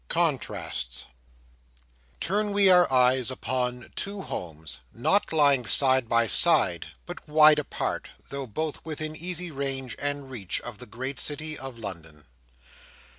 Contrasts Turn we our eyes upon two homes; not lying side by side, but wide apart, though both within easy range and reach of the great city of London.